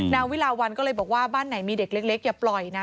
วิลาวันก็เลยบอกว่าบ้านไหนมีเด็กเล็กอย่าปล่อยนะ